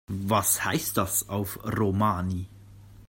Was heißt das auf Romani?